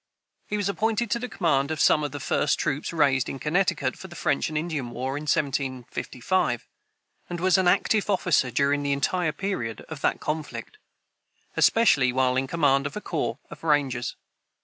He was appointed to the command of some of the first troops raised in Connecticut for the French and Indian war in 1755, and was an active officer during the entire period of that conflict, especially while in command of a corps of rangers.